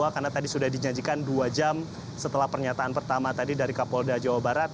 karena tadi sudah dinyajikan dua jam setelah pernyataan pertama tadi dari kapolda jawa barat